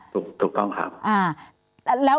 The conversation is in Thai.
ถูกต้องค่ะ